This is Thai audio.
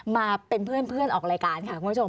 มาเป็นเพื่อนออกรายการค่ะคุณผู้ชม